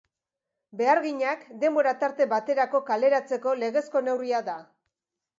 Beharginak denbora tarte baterako kaleratzeko legezko neurria da.